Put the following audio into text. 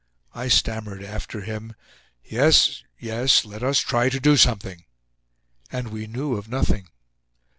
I stammered after him: "Yes, yes; let us try to do something." And we knew of nothing.